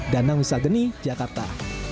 danang nusageni jakarta